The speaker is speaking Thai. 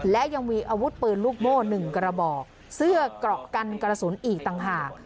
และยังมีอาวุธปืนลูกโม่๑กระบอกเสื้อเกราะกันกระสุนอีกต่างหาก